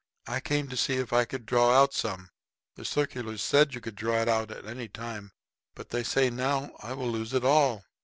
I came to see if I could draw out some. The circulars said you could draw it at any time. But they say now I will lose it all."